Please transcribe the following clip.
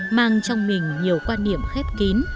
mang trong mình nhiều quan niệm khép kín